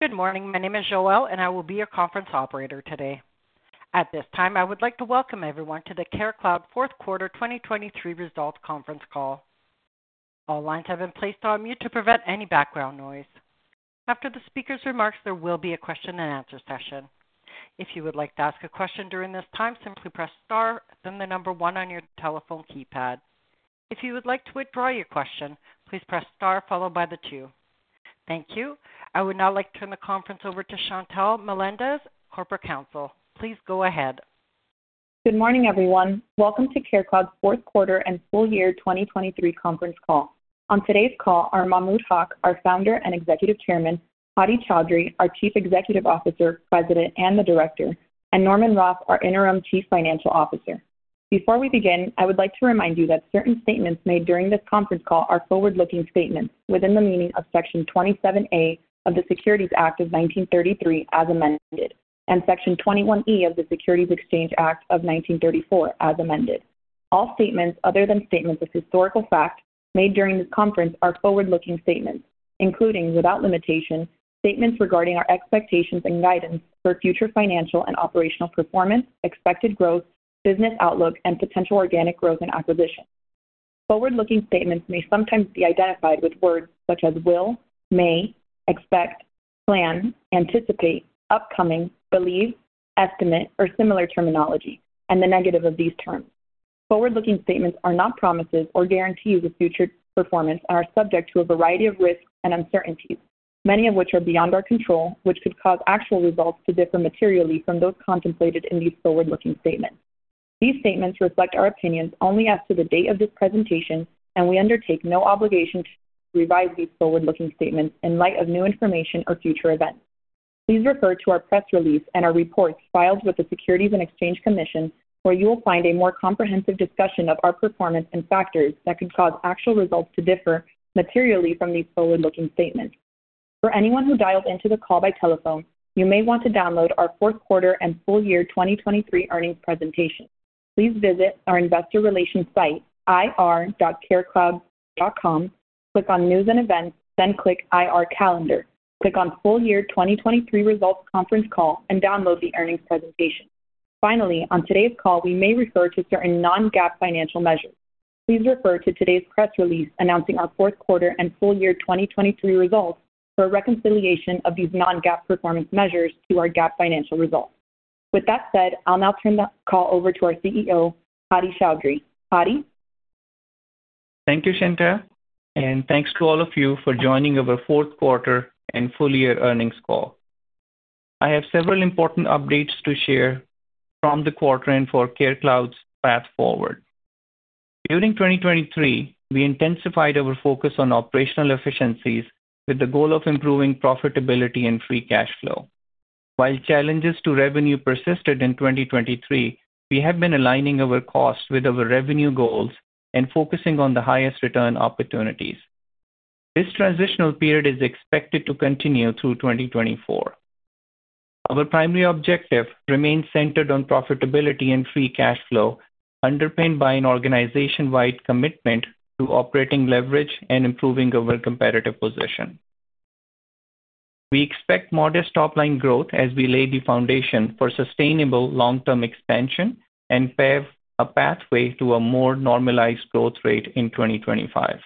Good morning. My name is Joelle, and I will be your conference operator today. At this time, I would like to welcome everyone to the CareCloud Fourth Quarter 2023 Results Conference Call. All lines have been placed on mute to prevent any background noise. After the speaker's remarks, there will be a question-and-answer session. If you would like to ask a question during this time, simply press star, then the number one on your telephone keypad. If you would like to withdraw your question, please press star followed by the two. Thank you. I would now like to turn the conference over to Chantelle Melendez, Corporate Counsel. Please go ahead. Good morning, everyone. Welcome to CareCloud's Fourth Quarter and Full Year 2023 conference call. On today's call are Mahmud Haq, our Founder and Executive Chairman; Hadi Chaudhry, our Chief Executive Officer, President, and the Director; and Norman Roth, our Interim Chief Financial Officer. Before we begin, I would like to remind you that certain statements made during this conference call are forward-looking statements within the meaning of Section 27A of the Securities Act of 1933, as amended, and Section 21E of the Securities Exchange Act of 1934, as amended. All statements other than statements of historical fact made during this conference are forward-looking statements, including, without limitation, statements regarding our expectations and guidance for future financial and operational performance, expected growth, business outlook, and potential organic growth and acquisition. Forward-looking statements may sometimes be identified with words such as will, may, expect, plan, anticipate, upcoming, believe, estimate, or similar terminology, and the negative of these terms. Forward-looking statements are not promises or guarantees of future performance and are subject to a variety of risks and uncertainties, many of which are beyond our control, which could cause actual results to differ materially from those contemplated in these forward-looking statements. These statements reflect our opinions only as to the date of this presentation, and we undertake no obligation to revise these forward-looking statements in light of new information or future events. Please refer to our press release and our reports filed with the Securities and Exchange Commission, where you will find a more comprehensive discussion of our performance and factors that could cause actual results to differ materially from these forward-looking statements. For anyone who dialed into the call by telephone, you may want to download our fourth quarter and full year 2023 earnings presentation. Please visit our investor relations site, ir.carecloud.com, click on News and Events, then click IR Calendar. Click on Full Year 2023 Results Conference Call and download the earnings presentation. Finally, on today's call, we may refer to certain non-GAAP financial measures. Please refer to today's press release announcing our fourth quarter and full year 2023 results for a reconciliation of these non-GAAP performance measures to our GAAP financial results. With that said, I'll now turn the call over to our CEO, Hadi Chaudhry. Hadi? Thank you, Chantelle, and thanks to all of you for joining our fourth quarter and full year earnings call. I have several important updates to share from the quarter and for CareCloud's path forward. During 2023, we intensified our focus on operational efficiencies with the goal of improving profitability and free cash flow. While challenges to revenue persisted in 2023, we have been aligning our costs with our revenue goals and focusing on the highest return opportunities. This transitional period is expected to continue through 2024. Our primary objective remains centered on profitability and free cash flow, underpinned by an organization-wide commitment to operating leverage and improving our competitive position. We expect modest top-line growth as we lay the foundation for sustainable long-term expansion and pave a pathway to a more normalized growth rate in 2025.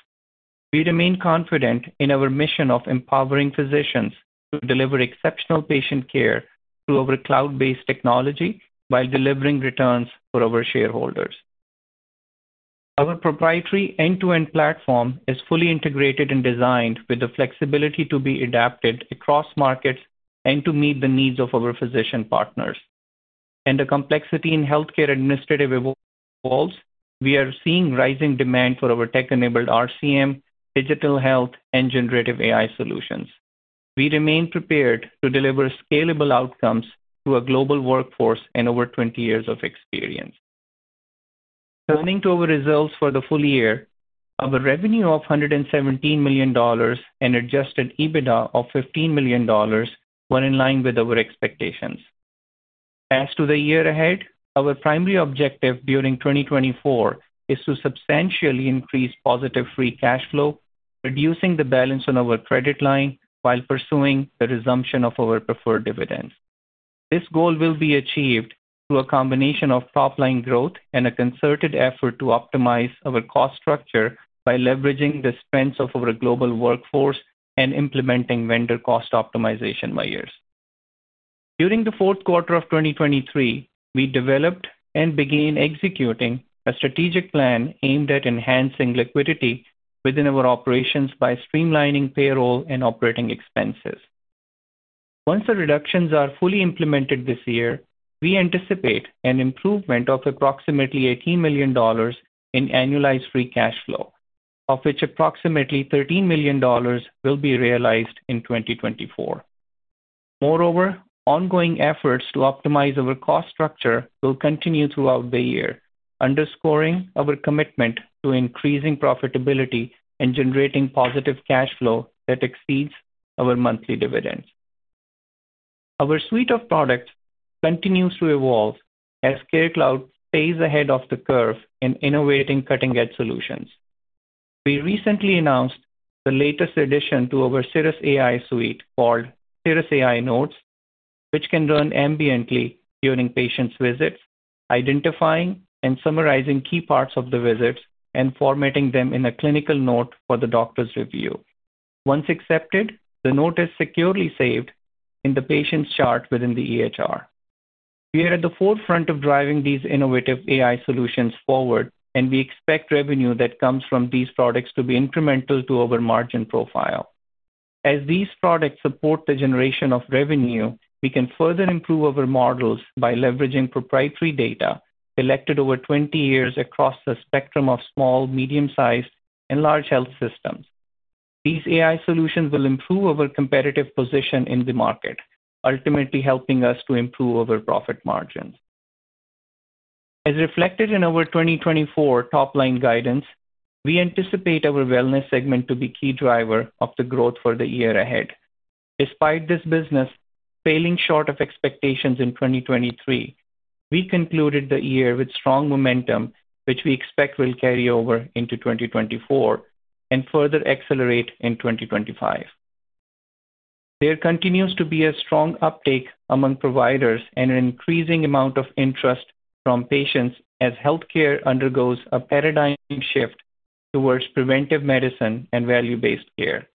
We remain confident in our mission of empowering physicians to deliver exceptional patient care through our cloud-based technology while delivering returns for our shareholders. Our proprietary end-to-end platform is fully integrated and designed with the flexibility to be adapted across markets and to meet the needs of our physician partners. The complexity in healthcare administration evolves, we are seeing rising demand for our tech-enabled RCM, digital health, and Generative AI solutions. We remain prepared to deliver scalable outcomes to a global workforce and over 20 years of experience. Turning to our results for the full year, our revenue of $117 million and adjusted EBITDA of $15 million were in line with our expectations. As to the year ahead, our primary objective during 2024 is to substantially increase positive free cash flow, reducing the balance on our credit line while pursuing the resumption of our preferred dividend. This goal will be achieved through a combination of top-line growth and a concerted effort to optimize our cost structure by leveraging the strengths of our global workforce and implementing vendor cost optimization layers. During the fourth quarter of 2023, we developed and began executing a strategic plan aimed at enhancing liquidity within our operations by streamlining payroll and operating expenses. Once the reductions are fully implemented this year, we anticipate an improvement of approximately $18 million in annualized free cash flow, of which approximately $13 million will be realized in 2024. Moreover, ongoing efforts to optimize our cost structure will continue throughout the year, underscoring our commitment to increasing profitability and generating positive cash flow that exceeds our monthly dividends. Our suite of products continues to evolve as CareCloud stays ahead of the curve in innovating cutting-edge solutions. We recently announced the latest addition to our cirrusAI suite, called cirrusAI Notes, which can run ambiently during patients' visits, identifying and summarizing key parts of the visits and formatting them in a clinical note for the doctor's review. Once accepted, the note is securely saved in the patient's chart within the EHR. We are at the forefront of driving these innovative AI solutions forward, and we expect revenue that comes from these products to be incremental to our margin profile. As these products support the generation of revenue, we can further improve our models by leveraging proprietary data collected over 20 years across the spectrum of small, medium-sized, and large health systems. These AI solutions will improve our competitive position in the market, ultimately helping us to improve our profit margins. As reflected in our 2024 top-line guidance, we anticipate our wellness segment to be key driver of the growth for the year ahead. Despite this business failing short of expectations in 2023, we concluded the year with strong momentum, which we expect will carry over into 2024 and further accelerate in 2025. There continues to be a strong uptake among providers and an increasing amount of interest from patients as healthcare undergoes a paradigm shift towards preventive medicine and value-based care.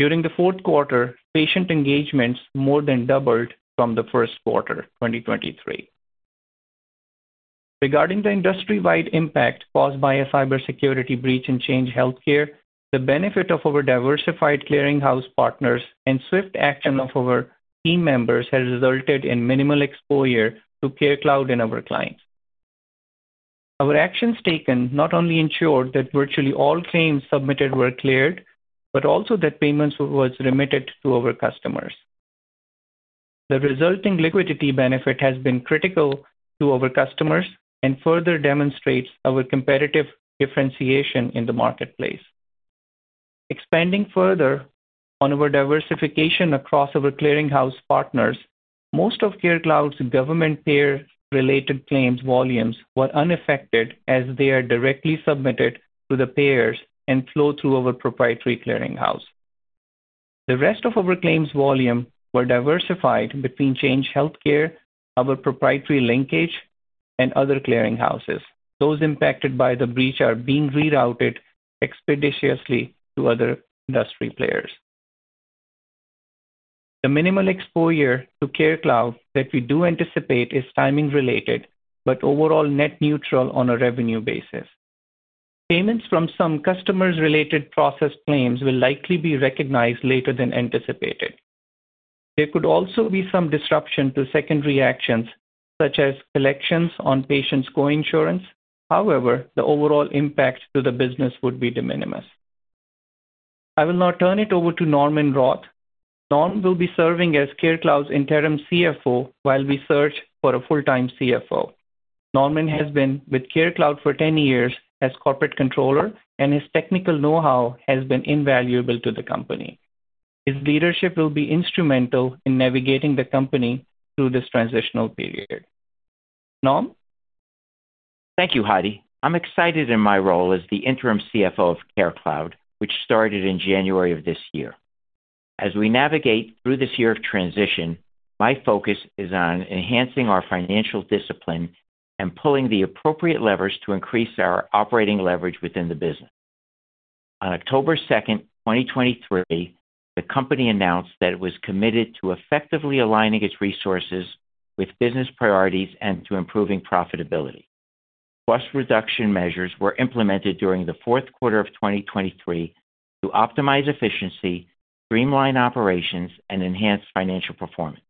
During the fourth quarter, patient engagements more than doubled from the first quarter, 2023. Regarding the industry-wide impact caused by a cybersecurity breach in Change Healthcare, the benefit of our diversified clearinghouse partners and swift action of our team members has resulted in minimal exposure to CareCloud and our clients. Our actions taken not only ensured that virtually all claims submitted were cleared, but also that payments was remitted to our customers. The resulting liquidity benefit has been critical to our customers and further demonstrates our competitive differentiation in the marketplace. Expanding further on our diversification across our clearinghouse partners, most of CareCloud's government payer-related claims volumes were unaffected, as they are directly submitted to the payers and flow through our proprietary clearinghouse. The rest of our claims volume were diversified between Change Healthcare, our proprietary clearinghouse, and other clearinghouses. Those impacted by the breach are being rerouted expeditiously to other industry players. The minimal exposure to CareCloud that we do anticipate is timing-related, but overall net neutral on a revenue basis. Payments from some customers-related processed claims will likely be recognized later than anticipated. There could also be some disruption to secondary actions, such as collections on patients' coinsurance. However, the overall impact to the business would be de minimis. I will now turn it over to Norman Roth. Norm will be serving as CareCloud's Interim CFO while we search for a full-time CFO. Norman has been with CareCloud for 10 years as Corporate Controller, and his technical know-how has been invaluable to the company. His leadership will be instrumental in navigating the company through this transitional period. Norm? Thank you, Hadi. I'm excited in my role as the interim CFO of CareCloud, which started in January of this year. As we navigate through this year of transition, my focus is on enhancing our financial discipline and pulling the appropriate levers to increase our operating leverage within the business. On October 2nd, 2023, the company announced that it was committed to effectively aligning its resources with business priorities and to improving profitability. Cost reduction measures were implemented during the fourth quarter of 2023 to optimize efficiency, streamline operations, and enhance financial performance.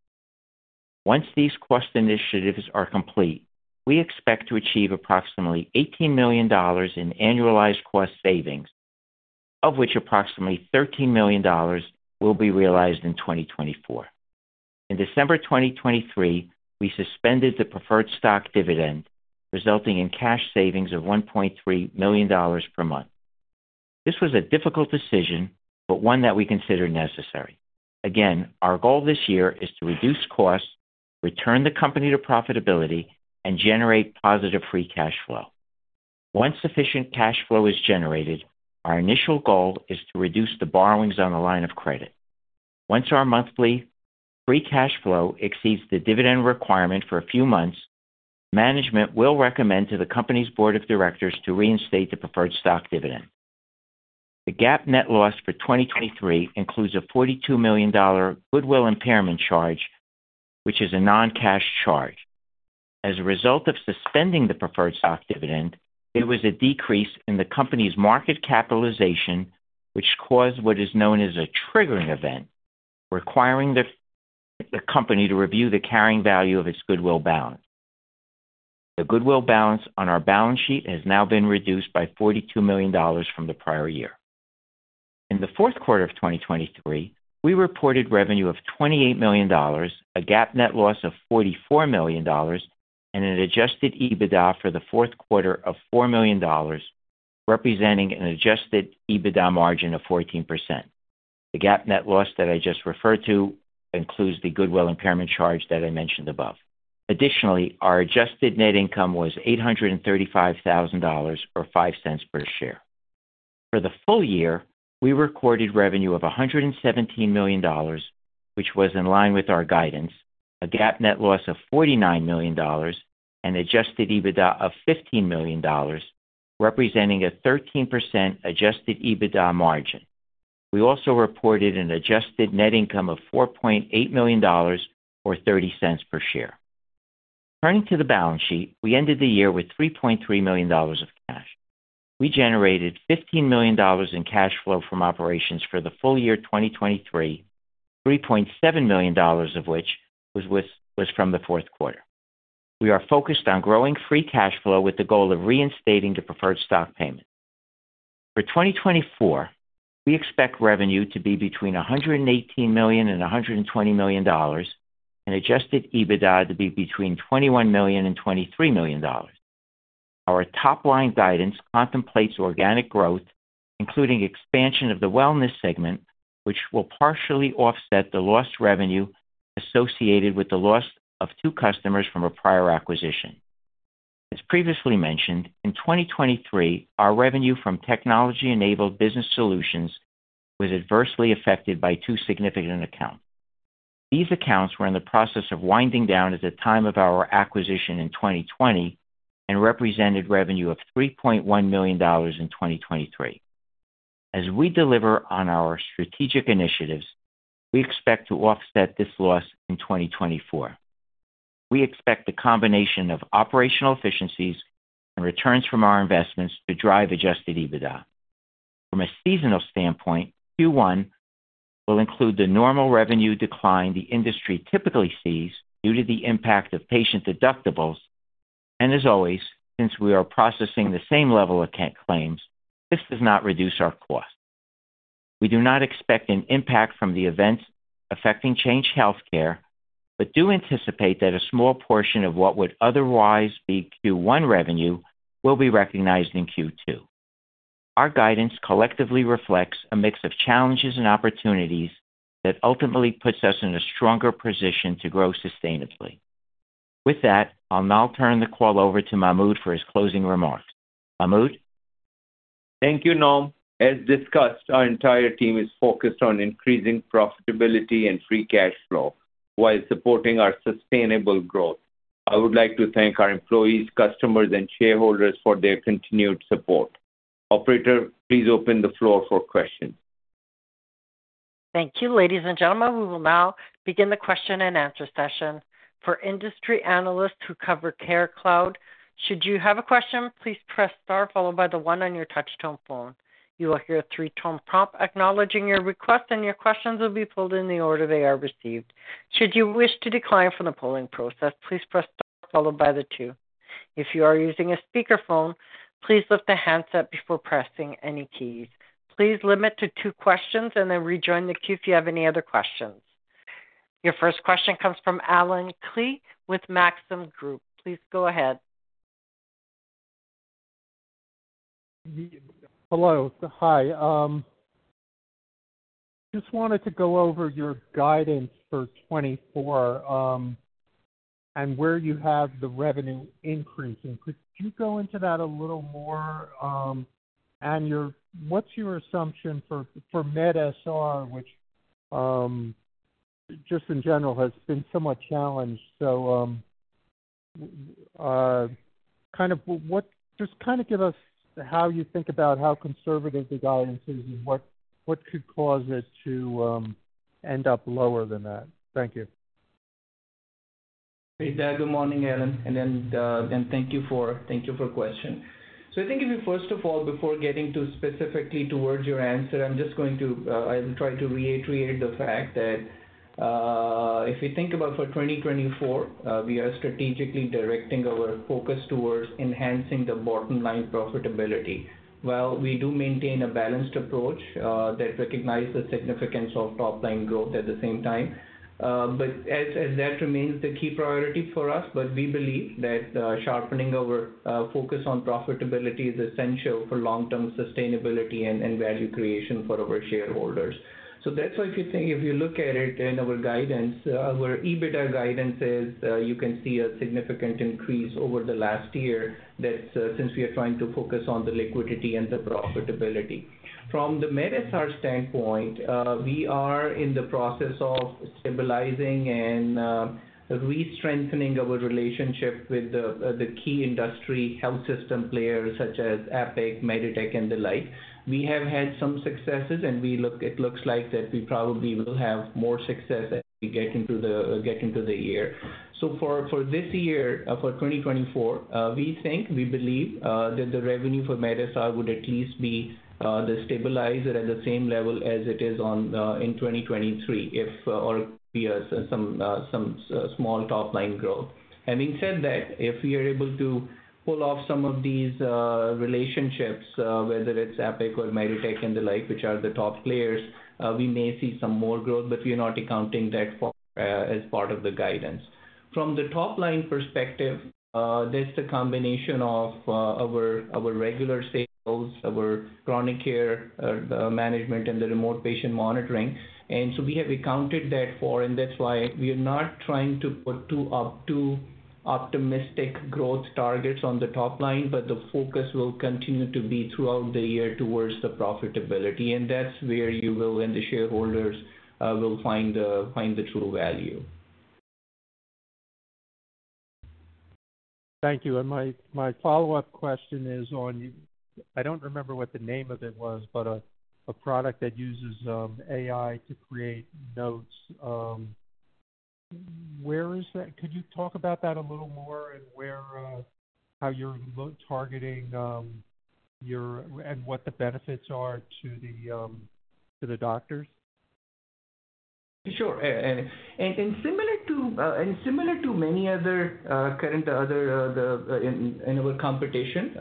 Once these cost initiatives are complete, we expect to achieve approximately $18 million in annualized cost savings, of which approximately $13 million will be realized in 2024. In December 2023, we suspended the preferred stock dividend, resulting in cash savings of $1.3 million per month. This was a difficult decision, but one that we consider necessary. Again, our goal this year is to reduce costs, return the company to profitability, and generate positive free cash flow. Once sufficient cash flow is generated, our initial goal is to reduce the borrowings on the line of credit. Once our monthly free cash flow exceeds the dividend requirement for a few months, management will recommend to the company's board of directors to reinstate the preferred stock dividend. The GAAP net loss for 2023 includes a $42 million goodwill impairment charge, which is a non-cash charge. As a result of suspending the preferred stock dividend, there was a decrease in the company's market capitalization, which caused what is known as a triggering event, requiring the company to review the carrying value of its goodwill balance. The goodwill balance on our balance sheet has now been reduced by $42 million from the prior year. In the fourth quarter of 2023, we reported revenue of $28 million, a GAAP net loss of $44 million, and an adjusted EBITDA for the fourth quarter of $4 million, representing an adjusted EBITDA margin of 14%. The GAAP net loss that I just referred to includes the goodwill impairment charge that I mentioned above. Additionally, our adjusted net income was $835,000, or $0.05 per share. For the full year, we recorded revenue of $117 million, which was in line with our guidance, a GAAP net loss of $49 million, and adjusted EBITDA of $15 million, representing a 13% adjusted EBITDA margin. We also reported an adjusted net income of $4.8 million, or $0.30 per share. Turning to the balance sheet, we ended the year with $3.3 million of cash. We generated $15 million in cash flow from operations for the full year 2023, $3.7 million of which was from the fourth quarter. We are focused on growing free cash flow with the goal of reinstating the preferred stock payment. For 2024, we expect revenue to be between $118 million and $120 million, and adjusted EBITDA to be between $21 million and $23 million. Our top-line guidance contemplates organic growth, including expansion of the wellness segment, which will partially offset the lost revenue associated with the loss of two customers from a prior acquisition. As previously mentioned, in 2023, our revenue from technology-enabled business solutions was adversely affected by two significant accounts. These accounts were in the process of winding down at the time of our acquisition in 2020 and represented revenue of $3.1 million in 2023. As we deliver on our strategic initiatives, we expect to offset this loss in 2024. We expect the combination of operational efficiencies and returns from our investments to drive adjusted EBITDA. From a seasonal standpoint, Q1 will include the normal revenue decline the industry typically sees due to the impact of patient deductibles, and as always, since we are processing the same level of claims, this does not reduce our cost. We do not expect an impact from the events affecting Change Healthcare, but do anticipate that a small portion of what would otherwise be Q1 revenue will be recognized in Q2. Our guidance collectively reflects a mix of challenges and opportunities that ultimately puts us in a stronger position to grow sustainably. With that, I'll now turn the call over to Mahmud for his closing remarks. Mahmud? Thank you, Norm. As discussed, our entire team is focused on increasing profitability and free cash flow while supporting our sustainable growth. I would like to thank our employees, customers, and shareholders for their continued support. Operator, please open the floor for questions. Thank you, ladies and gentlemen. We will now begin the question-and-answer session for industry analysts who cover CareCloud. Should you have a question, please press star followed by one on your touch-tone phone. You will hear a three-tone prompt acknowledging your request, and your questions will be pulled in the order they are received. Should you wish to decline from the polling process, please press star followed by two. If you are using a speakerphone, please lift the handset before pressing any keys. Please limit to two questions and then rejoin the queue if you have any other questions. Your first question comes from Allen Klee with Maxim Group. Please go ahead. Hello. Hi, just wanted to go over your guidance for 2024, and where you have the revenue increasing. Could you go into that a little more? And your, what's your assumption for medSR, which just in general has been somewhat challenged. So, kind of just kind of give us how you think about how conservative the guidance is and what could cause it to end up lower than that. Thank you. Hey there. Good morning, Allen, and thank you for your question. So I think if you first of all, before getting to specifically towards your answer, I'll try to reiterate the fact that if you think about for 2024, we are strategically directing our focus towards enhancing the bottom line profitability. While we do maintain a balanced approach that recognize the significance of top line growth at the same time, but as that remains the key priority for us, but we believe that sharpening our focus on profitability is essential for long-term sustainability and value creation for our shareholders. So that's why if you think, if you look at it in our guidance, our EBITDA guidance is, you can see a significant increase over the last year since we are trying to focus on the liquidity and the profitability. From the medSR standpoint, we are in the process of stabilizing and restrengthening our relationship with the key industry health system players such as Epic, Meditech, and the like. We have had some successes, and it looks like that we probably will have more success as we get into the year. So for this year, for 2024, we think, we believe, that the revenue for medSR would at least be stabilized at the same level as it is in 2023, or be some small top-line growth. Having said that, if we are able to pull off some of these relationships, whether it's Epic or Meditech and the like, which are the top players, we may see some more growth, but we are not accounting that for as part of the guidance. From the top-line perspective, that's a combination of our regular sales, our Chronic Care Management, and the Remote Patient Monitoring. And so we have accounted for that, and that's why we are not trying to put up too optimistic growth targets on the top line, but the focus will continue to be throughout the year towards the profitability, and that's where you will and the shareholders will find the, find the true value. Thank you. And my follow-up question is on, I don't remember what the name of it was, but a product that uses AI to create notes. Where is that? Could you talk about that a little more and where, how you're targeting and what the benefits are to the doctors? Sure. And similar to many other current in our competition,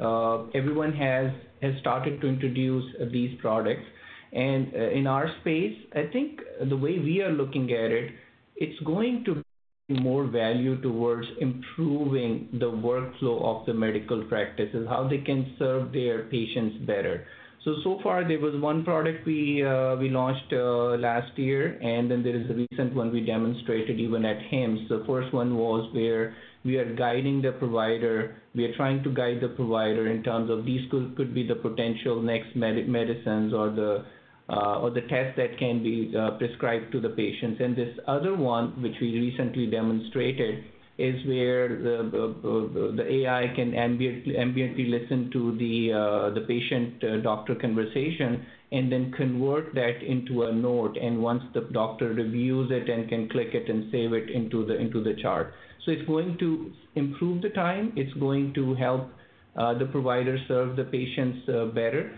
everyone has started to introduce these products. And in our space, I think the way we are looking at it, it's going to more value towards improving the workflow of the medical practices, how they can serve their patients better. So far, there was one product we launched last year, and then there is a recent one we demonstrated even at HIMSS. The first one was where we are guiding the provider. We are trying to guide the provider in terms of these could be the potential next medicines or the test that can be prescribed to the patients. This other one, which we recently demonstrated, is where the AI can ambiently listen to the patient-doctor conversation and then convert that into a note. And once the doctor reviews it and can click it and save it into the chart. So it's going to improve the time. It's going to help the provider serve the patients better.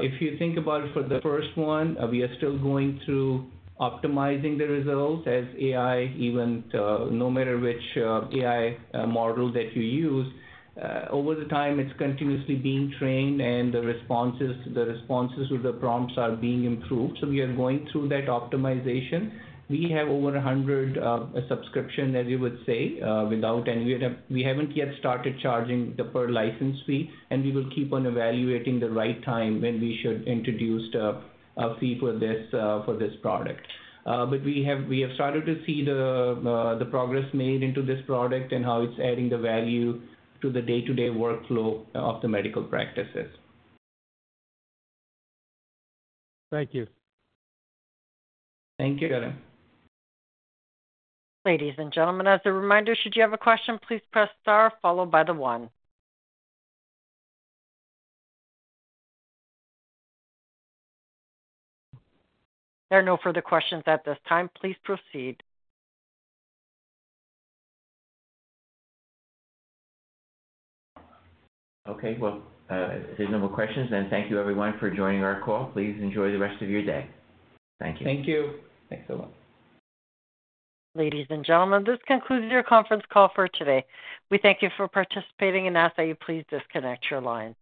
If you think about it, for the first one, we are still going through optimizing the results as AI, even no matter which AI model that you use, over the time, it's continuously being trained, and the responses with the prompts are being improved. So we are going through that optimization. We have over 100 subscription, as you would say, without any. We haven't yet started charging the per license fee, and we will keep on evaluating the right time when we should introduce a fee for this, for this product. But we have started to see the progress made into this product and how it's adding the value to the day-to-day workflow of the medical practices. Thank you. Thank you, Allen. Ladies and gentlemen, as a reminder, should you have a question, please press star followed by the one. There are no further questions at this time. Please proceed. Okay, well, if there's no more questions, then thank you, everyone, for joining our call. Please enjoy the rest of your day. Thank you. Thank you. Thanks a lot. Ladies and gentlemen, this concludes your conference call for today. We thank you for participating and ask that you please disconnect your line.